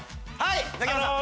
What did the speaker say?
ザキヤマさん。